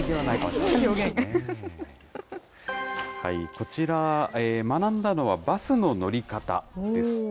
こちら、学んだのはバスの乗り方です。